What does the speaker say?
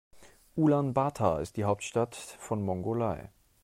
Ulaanbaatar ist die Hauptstadt von Mongolei.